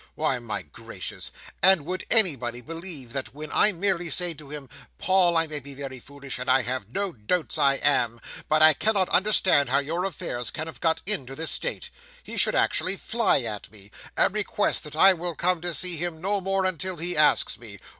Why, my gracious! And would anybody believe that when I merely say to him, 'Paul, I may be very foolish, and I have no doubt I am, but I cannot understand how your affairs can have got into this state,' he should actually fly at me, and request that I will come to see him no more until he asks me!